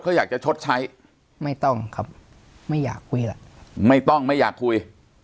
เขาอยากจะชดใช้ไม่ต้องครับไม่อยากคุยล่ะไม่ต้องไม่อยากคุย